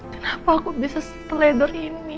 kenapa aku bisa teledor ini